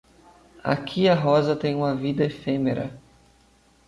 Aqui a rosa tem uma vida efêmera.